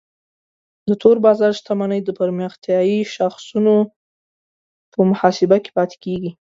د تور بازار شتمنۍ د پرمختیایي شاخصونو په محاسبه کې پاتې کیږي.